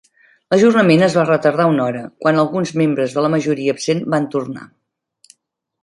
L'ajornament es va retardar una hora, quan alguns membres de la majoria absent van tornar.